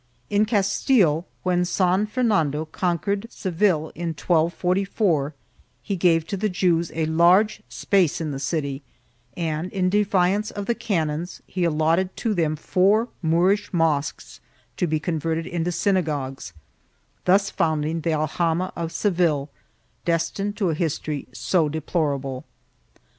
1 In Castile, when San Fernando conquered Seville, in 1244, he gave to the Jews a large space in the city, and, in defiance of the canons, he allotted to them four Moorish mosques to be converted into synagogues, thus founding the aljama of Seville, destined to a history so deplorable.